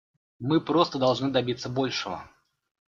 Мы просто должны добиться большего.